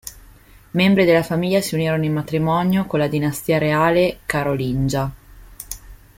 Membri della famiglia si unirono in matrimonio con la dinastia reale Carolingia.